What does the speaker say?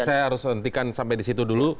saya harus hentikan sampai disitu dulu